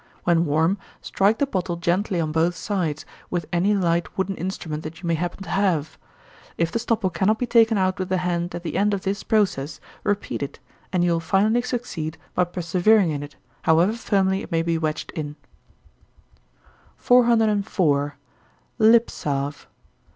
When warm, strike the bottle gently on both sides, with any light wooden instrument that you may happen to have. If the stopple cannot be taken out with the hand at the end of this process, repeat it, and you will finally succeed by persevering in it, however firmly it may be wedged in. 404. _Lip Salve.